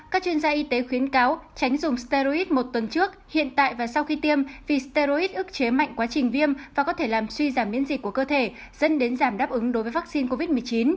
các chuyên gia y tế khuyến cáo tránh dùng sterit một tuần trước hiện tại và sau khi tiêm vì sterid ước chế mạnh quá trình viêm và có thể làm suy giảm miễn dịch của cơ thể dẫn đến giảm đáp ứng đối với vaccine covid một mươi chín